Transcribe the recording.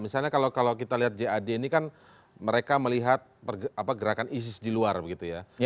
misalnya kalau kita lihat jad ini kan mereka melihat gerakan isis di luar begitu ya